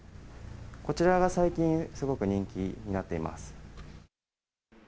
こちらが最近、すごく人気になっています。